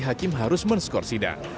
hakim harus men scoresidang